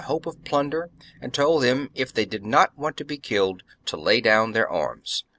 hope of plunder, and told them, if they did not want to be killed, to lay down their arms.